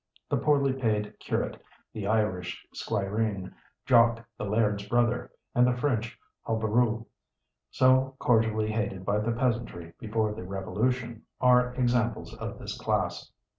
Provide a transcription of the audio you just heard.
The poorly paid curate, the Irish squireen, "Jock, the Laird's brother," and the French hobereau, so cordially hated by the peasantry before the Revolution, are examples of this class.